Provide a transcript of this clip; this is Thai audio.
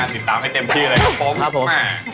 ติดตามให้เต็มที่เลยครับผมครับผม